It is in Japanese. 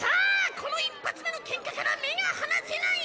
この一発目の喧嘩から目が離せない！